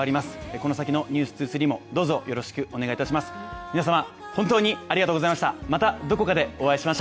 この先の「ｎｅｗｓ２３」もどうぞよろしくお願いいたします。